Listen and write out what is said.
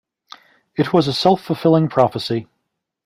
It was a self-fulfilling prophecy.